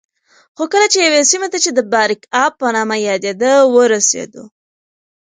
خو کله چې یوې سیمې ته چې د باریکآب په نامه یادېده ورسېدو